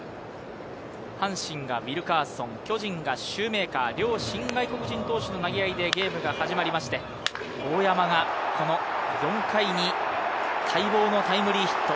阪神がウィルカーソン、巨人がシューメーカー、両新外国人投手の投げ合いでゲームが始まりまして、大山が４回に待望のタイムリーヒット。